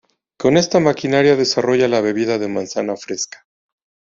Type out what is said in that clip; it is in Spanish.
Con esta maquinaria, desarrolla la bebida de manzana fresca.